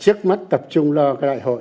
trước mắt tập trung lo đại hội